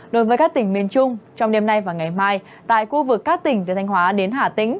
đối với các tỉnh miền trung trong đêm nay và ngày mai tại khu vực các tỉnh từ thanh hóa đến hà tĩnh